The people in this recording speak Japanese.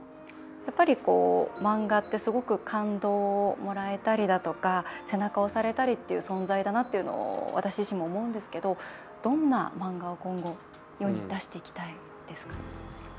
やっぱり、漫画ってすごく感動をもらえたりだとか背中、押されたりという存在だなっていうのを私自身も思うんですけどどんな漫画を今後世に出していきたいですかね？